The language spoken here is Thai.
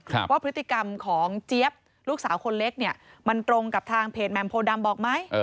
ว่าพฤติกรรมของเจี๊ยบลูกสาวคนเล็กเนี่ยมันตรงกับทางเพจแหม่มโพดำบอกไหม